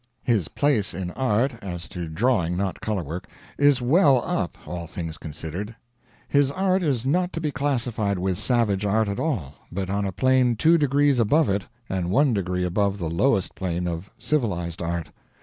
His place in art as to drawing, not color work is well up, all things considered. His art is not to be classified with savage art at all, but on a plane two degrees above it and one degree above the lowest plane of civilized art.